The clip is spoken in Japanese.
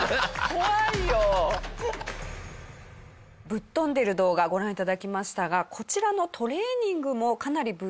ぶっとんでる動画ご覧頂きましたがこちらのトレーニングもかなりぶっ飛んでいます。